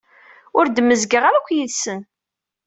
Ur d-mezgeɣ ara akk yid-sen.